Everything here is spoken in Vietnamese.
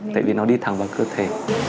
tại vì nó đi thẳng vào cơ thể